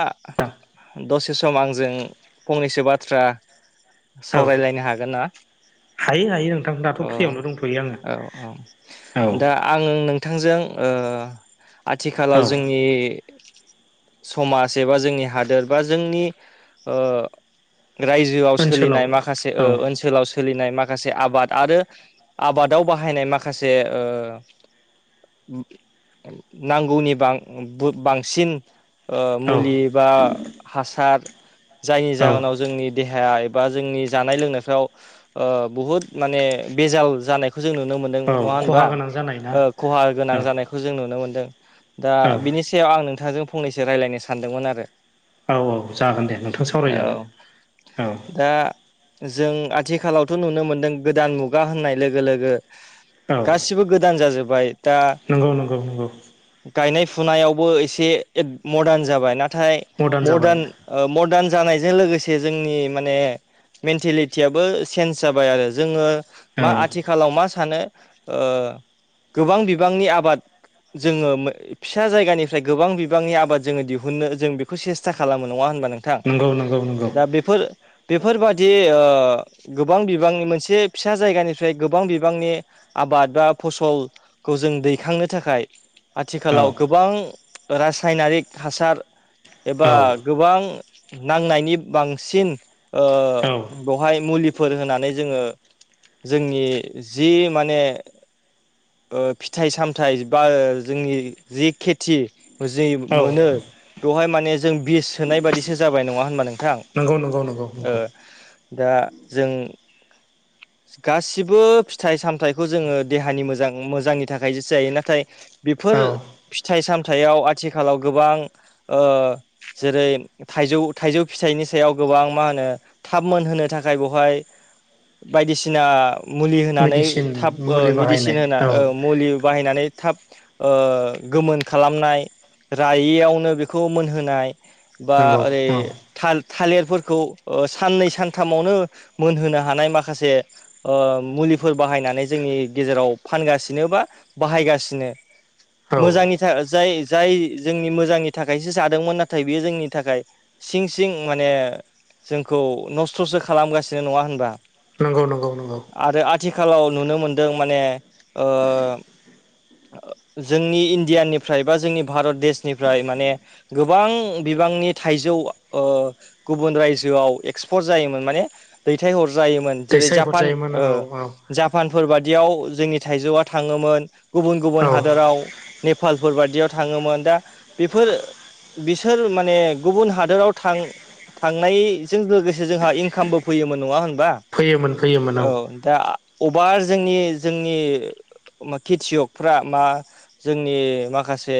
आ औ दसे सम आंजों फंनैसो बाथ्रा। सावरायलायनो हागोन ना? हायो हायो नोंथां दाथ' अ फ्रियावनो दंथ'यो आङो औ औ औ दा आंङो नोंथांजों ओ आथिखालाव औ जोंनि समाज एबा जोंनि हादोर बा जोंनि ओ। रायजोआव ओनसोलाव सोलिनाय माखासे औ ओ ओनसोलाव सो लिनाय माखासे आबाद आरो आबादाव बाहायनाय माखासे ओ। नांगौनि बां बांसिन ओ औ मुलि बा हासार जायनि औ जाहोनाव जोंनि देहाया एबा जोंनि जानाय लोंनायफ्राव ओ बुहुद माने बेजाल जानायखौ जों नुनो मोनो। औ नङा खहा होनबा? गोनां जानाय ना ओ खहा गोनां औ जानाय खौ जों नुनो मोनदों दा औ बिनि सायाव आं नोंथांजों फंनैसो रायलायनो सानदोंमोन आरो। औ औ जागोन दे नोंथां सावरायजागोन औ औ। दा। जों आथिखालावथ' नुनो मोनदों गोदान मुगा होननाय लोगो लोगो औ गासिबो गोदान जाजोब्बाय। दा नंगौ नंगौ नंगौ। गायनाय फुनायावबो एसे मदार्न जाबाय नाथाय मदार्न। ओ मदार्न जानायजों लोगोसे जोंनि माने मेन्टेलिटियाबो चेन्ज जाबाय आरो जोङो औ मा आथिखालाव मा सानो? ओ। गोबां बिबांनि आबाद जोङो फिसा जायगानिफ्राय गोबां बि बांनि आबाद जोङो दिहुननो जों बेखौ सेस्था खालामो नङा होनबा नोंथां? नंगौ नंगौ नंगौ दा बेफोर बेफोरबादि ओ गोबां बिबांनि मोनसे फिसा जायगानिफ्राय गोबां बिबांनि। आबाद बा फसल खौ जों दैखांनो थाखाय औ आथिखालाव गोबां। रासायनारिक हासार एबा औ गोबां। नांनायनि बांसिन ओ औ बेवहाय मुलिफोर होनानै जोङो। जोंनि जि माने। ओ फिथाइ सामथाइ बा जोंनि जि खेथि जि औ मोनो बेवहाय माने जों बिस सोनाय बादिसो जाबाय नङा होनबा नोंथां? नंगौ नंगौ ओ नंगौ। दा जों। [inaudible] गासिबो फिथाइ सामथाइखौ जोङो देहानि मोजां मोजांनि थाखाय सो जायो नाथाय। बेफोर औ फिथाइ सामथाइयाव आथिखालाव गोबां ओ जेरै। थाइजौ थाइजौ फिथाइनि सायाव गोबां मा होनो थाब मोनहोनो थाखाय बेवहाय। बायदिसिना मुलि होनानै मेडिसिन थाब ओ मुलि बाहायनाय मेडिसिन होना औ ओ मुलि। बाहायनानै थाब ओ गोमोन। खालामनाय रायैयावनो बेखौ मोनहोनाय बा नंगौ ओरै औ थाल-थालिरफोरखौ साननै सानथामावनो मोनहोनो हानाय माखासे मुलिफोर बाहायनानै जोंनि गेजेराव फानगासिनो बा बाहायगासिनो मोजांनि औ जाय जाय जोंनि मोजांनि थाखायसो जादोंमोन नाथाय बियो जोंनि थाखाय सिं सिं माने जोंखौ नस्थ'सो खालामगासिनो नङा होनबा नंगौ नंगौ नंगौ आरो आथिखालाव नुनो मोनदों माने जोंनि इण्डियानिफ्राय बा जोंनि भारत देशनिफ्राय माने गोबां बिबांनि थाइजौ गुबुन रायजोआव एक्सपर्ट जायोमोन माने दैथायहरजायोमोन जेरै जापान दैथायहरजायोमोन औ औ जापानफोर बादियाव जोंनि थाइजौआ थाङोमोन गुबुन गुबुन औ हादराव नेपालफोर बायदियाव थाङोमोन दा बेफोर बिसोर माने गुबुन हादोराव थां थांनायजों लोगोसे जोंहा इनकामबो फैयोमोन नङा होनबा फैयोमोन फैयोमोन औ दा अभार जोंनि जोंनि खेथियकफ्रा मा जोंनि माखासे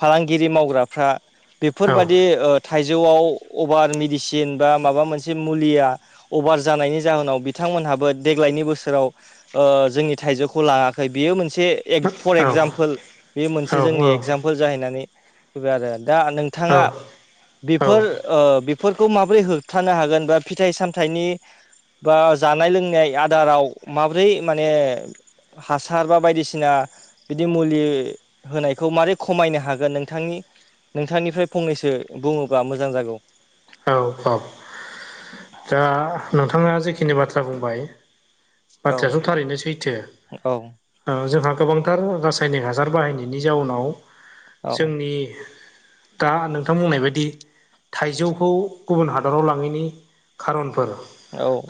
फालांगिरि मावग्राफ्रा औ बेफोरबादि थाइजौआव अभार मेडिसिन बा माबा मोनसे मुलिया अभार जानायनि जाहोनाव बिथांमोनहाबो देग्लायनि बोसोराव जोंनि थाइजौखौ लाङाखै बियो मोनसे फर औ एगजामपोल बे मोनसे जोंनि एगजामपोल जाहैनानै फैबाय आरो दा नोंथाङा औ बेफोर बेफोरखौ माबोरै होबथानो हागोन बा फिथाइ सामथाइनि बा जानाय लोंनाय आदाराव माब्रै माने हासार बा बायदिसिना बिदि मुलि होनायखौ मारै खमायनो हागोन नोंथांनि नोंथांनिफ्राय फंनैसो बुङोबा मोजां जागौ औ औ दा नोंथाङा जिखिनि बाथ्रा बुंबाय औ बाथ्राथ' थारैनो सैथो औ जोंहा गोबांथार रासायनिक हासार बाहायनायनि जाउनाव औ जोंनि दा नोंथां बुंनाय बायदि थाइजौखौ गुबुन हादराव लाङैनि खार'नफोर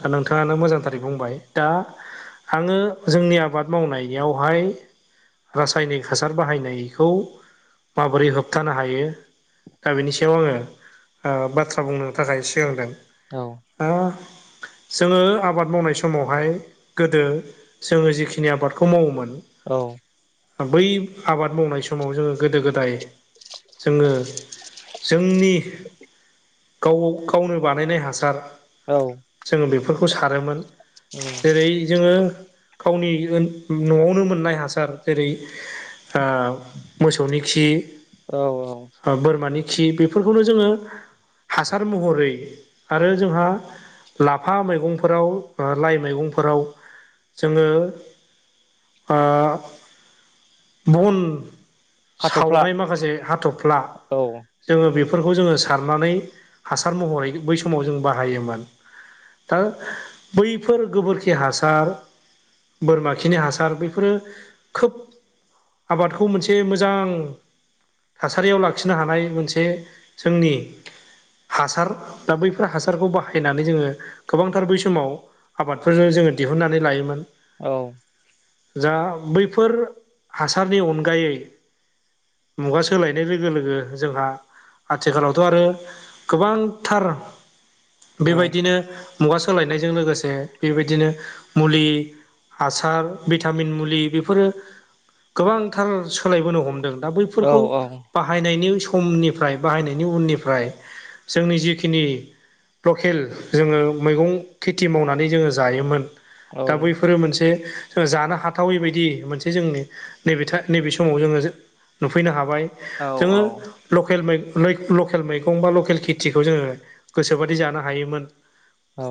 दा नोंथाङानो मोजांथारै बुंबाय दा आङो जोंनि आबाद मावनायावहाय रासायनिक हासार बाहायनायखौ माबोरै होबथानो हायो दा बेनि सायाव आङो ओ बाथ्रा बुंनो थाखाय सिगांदों। औ आ जोङो आबाद मावनाय समावहाय गोदो जोङो जिखिनि आबादखौ मावोमोन औ बै आबाद मावनाय समाव जोङो गोदो गोदाय जोङो जोंनि गाव गावनो बानायनाय हासार औ जोङो बेफोरखौ सारोमोन जेरै जोङो गावनि न'आवनो मोननाय हासार जेरै मोसौनि खि औ औ ओ बोरमानि खि बेफोरखौनो जोङो हासार महरै आरो जोंहा लाफा मैगंफोराव ओ लाइ मैगंफोराव जोङो ओ बुन हाथ'फ्ला सावनाय माखासे हाथ'फ्ला औ जोङो बेफोरखौ जोङो सारनानै हासार महरै बै समाव जों बाहायोमोन। दा बैफोर गोबोरखि हासार बोरमा खिनि हासार बैफोरो खोब आबादखौ मोनसे मोजां थासारियाव लाखिनो हानाय मोनसे जोंनि हासार दा बैफोर हासारखौ बाहाय फैनानै जोङो गोबांथार बै समाव आबादफोरजों जोङो दिहुननानै लायोमोन। औ जा बैफोर हासारनि अनगायै मुगा सोलायनाय लोगो लोगो जोंहा आथिखालावथ' आरो गोबांथार औ बेबायदिनो मुगा सोलायनायजों लोगोसे बेबायदिनो मुलि हासार भिटामिन मुलि बेफोरो गोबांथार सोलायबोनो हमदों। दा औ बैफोरखौ बाहायनायनि समनिफ्राय बाहायनायनि उननिफ्राय जोंनि जिखिनि लकेल जोङो मैगं खेथि मावनानै जोङो जायोमोन। औ दा बैफोरो मोनसे जानो हाथावै बायदि मोनसे जोंनि नैबे था नैबे समाव जोङो नुफैनो हाबाय। औ औ जोङो लकेल मै मै लकेल मैगं बा लकेल खेथिखौ जोङो गोसोबाद दि जानो हायोमोन। औ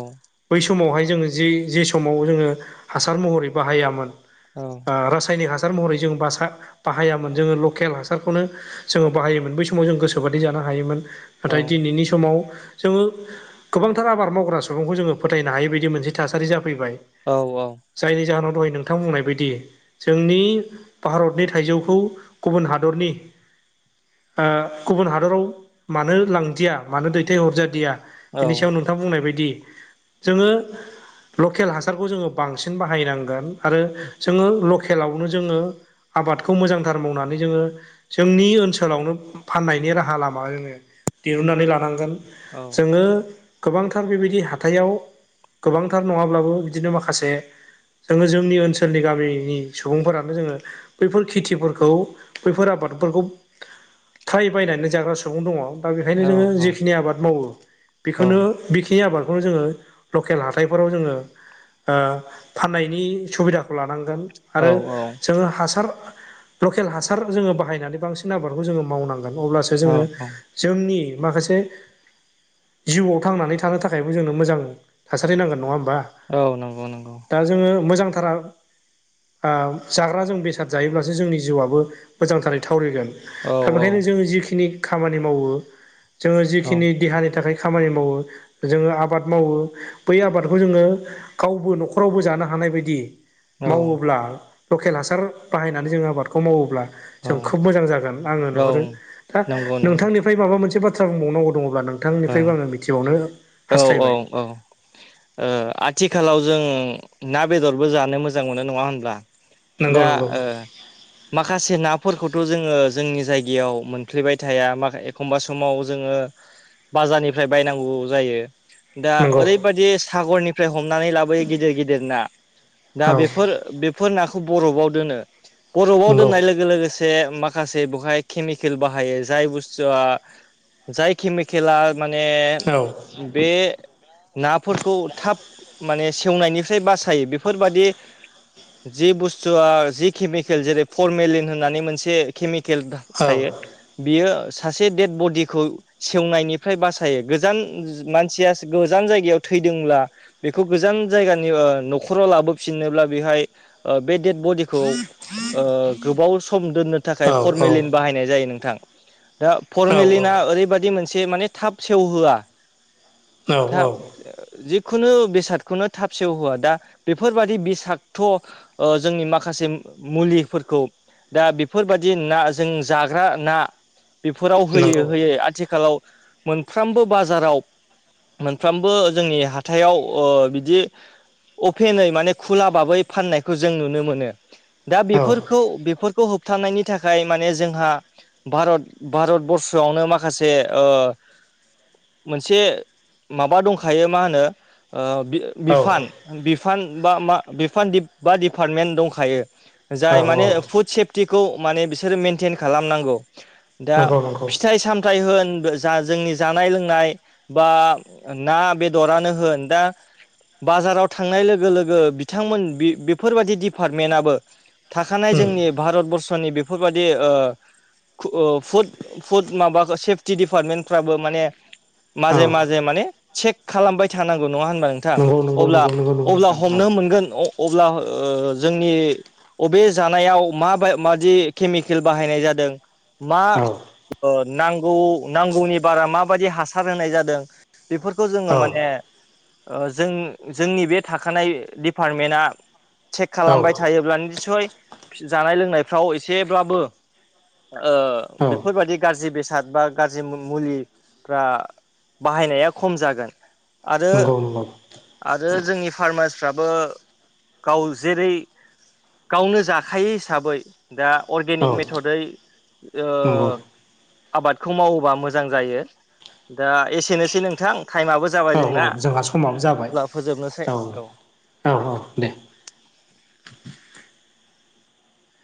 बै समावहाय जोङो जि जि समाव जोङो हासार महरै बाहायामोन। औ आ रासायनिक हासार महरै जों बासा बाहायामोन जोङो लकेल हासारखौनो जोङो बाहायोमोन बै समाव जों गोसोबादि जानो हायोमोन नाथाय दिनैनि समाव जोङो गोबांथार आबाद मावग्रा सुबुंखौ जोङो फोथायनो हायै बायदि मोनसे थासारि जाफैबाय। औ औ। जायनि जाहोनाव दहाय नोंथां बुंनाय बायदि जोंनि भारतनि थाइजौखौ गुबुन हादरनि ओ गुबुन हादराव मानो लांदिया मानो दैथायहरजादिया बिनि सायाव नोंथाङा बुंनाय बायदि जोङो लकेल हासारखौ जोङो बांसिन बाहायनांगोन आरो जोङो लकेलावनो जोङो आबादखौ मोजांथार मावनानै जोङो जोंनि ओनसोलावनो फाननायनि राहा लामा दिरुननानै लानांगोन जोङो गोबांथार बेबायदि हाथथायाव गोबांथार नङाब्लाबो बिदिनो माखासे जोङो जोंनि ओनसोलनि गामिनि सुबुंफोरानो जोङो बैफोर खेथिफोरखौ बैफोर आबादफोरखौ फ्राय बायनानैनो जाग्रा सुबुं दङ दा बेखायनो जोङो जिखिनि आबाद मावो बेखौनो बेखिनि आबादखौनो जोङो लकेल हाथायफोराव जोङो ओ फाननायनि सुबिदाखौ लानांगोन आरो औ जोङो हासार लकेल हासार जोङो बाहायनानै बांसिन आबादखौ जोङो मावनांगोन अब्लासो जोङो जोंनि माखासे जिउआव थांनानै थानो थाखायबो जोंनो मोजां थासारि नांगोन नङा होमबा? औ नंगौ नंगौ। दा जोङो मोजांथारा आ जाग्रा जों बेसाद जायोब्लासो जोंनि जिउआबो मोजांथारै थावरिगोन। औ दा बेखायनो जोङो जिखिनि खामानि मावो जोङो औ जिखिनि देहानि थाखाय खामानि मावो जोङो आबाद मावो बै आबादखौ जोङो। गावबो न'खरावबो जानो हानाय बायदि औ मावोब्ला लकेल हासार बाहायनानै जोङो आबादखौ मावोब्ला औ जों खोब मोजां जागोन आङो औ नुहुरो दा नंगौ नंगौ नोंथांनि निफ्राय माबा मोनसे बाथ्रा बुंबावनांगौ दङब्ला औ नोंथांनिफ्रायबो आङो मिथिबावनो औ औ हास्थायबाय। ओ आथिखालाव जों ना बेदरबो जानो मोजां मोनो नङा होनब्ला? नंगौ दा नंगौ ओ माखासे नाफोरखौथ' जोङो जोंनि जायगायाव मोनफ्लेबाय थाया एखमबा समाव जोङो बाजारनिफ्राय बायनांगौ जायो दा नंगौ ओरैबादि सागरनि फ्राय हमनानै लाबोयो गिदिर गिदिर ना दा औ बेफोर बे फोर नाखौ बरफआव दोनो बरफआव नंगौ दोननाय लोगो लोगोसे से माखासे बेहाय केमिकेल बाहायो जाय बुस्थुआ जाय केमिकेला माने औ बे नाफोरखौ थाब माने सेवनायनिफ्राय बासायो बेफोरबादि जि बुस्थुआ जि केमिकेल जेरै फरमेलिन होननानै मोनसे केमिकेल औ थायो बियो सासे देड बडिखौ सेवनायनिफ्राय बासायो गोजान मानसिया गोजान जायगायाव थैदोंब्ला बेखौ गोजान जायगानि न'खराव लाबोफिनोब्ला बेहाय ओ बे डेद औ बडिखौ गोबाव सम दोननो थाखाय फरमेलिन औ बाहायनाय जायो नोंथां। दा औ फरमेलिना ओरैबादि मोनसे माने थाब सेवहोआ औ औ थाब जिखुनु बेसादखौनो थाब सेवहोआ दा बेफोरबादि बिसाथ' ओ जोंनि माखासे मुलिफोरखौ दा बेफोरबायदि ना जों जाग्रा ना बेफोराव नंगौ होयो होयो आथिखालाव मोनफ्रोमबो बाजाराव मोनफ्रोमबो जोंनि हाथायाव ओ बिदि अपेनै माने खुला बाबै फाननायखौ जों नुनो मोनो दा औ बेफोरखौ बेफोरखौ होबथानायनि थाखाय माने जोंहा भारत भारत बरर्सआवनो माखासे से ओ मोनसे माबा दंखायो मा होनो ओ बि औ बिफान बिफान बा मा बिफान डि बा डिपार्टमेन्ट दंखायो जाय औ माने फुड सेफटिखौ माने बिसोरो मेनटेन खालामनांगौ। दा नंगौ नंगौ फिथाइ सामथाइ होन जा जोंनि जानाय लोंनाय बा ना बेदरानो होन दा बाजाराव थांनाय लोगो लोगो बिथांमोन बि-बिफोरबदि डिपार्टमेन्टआबो थाखानाय उम जोंनि भारत बरर्सनि बेफोरबायदि ओ खु ओ फुद फुद माबा सेफटि डिपार्टमेन्टफ्राबो माने औ माजे माजे माने चेक खालामबाय थानांगौ नङा होनबा नोंथां? नंगौ नंगौ अब्ला नंगौ नंगौ नंगौ अब्ला नोंथां हमनो मोनगोन अब्ला ओ जोंनि अबे जानायाव मा मायदि केमिकेल बाहायनाय जादों मा औ ओ नांगौ नांगौनि बारा माबायदि हासार होनाय जादों बेफोरखौ जोङो औ माने ओ जों जोंनि बे थाखानाय दिपार्टमेन्टआ चेक औ खालामबाय थायोब्ला निस्सय जानाय लोंनायफ्राव एसेब्लाबो ओ औ बेफोरबायदि गाज्रि बेसाद बा गाज्रि मुलिफ्रा बाहायनाया खम जागोन। आरो नंगौ नंगौ। आरो जोंनि फार्मासफ्राबो गाव जेरै गावनो जाखायो हिसाबै दा औ अर्गेनिक मेथयै ओ नंगौ औ आबादखौ मावोबा मोजां जायो दा एसेनोसै नोंथां टाइमाबो जाबाय जोंना जोंहा समाबो जाबाय अब्ला फोजोबनोसै औ औ औ दे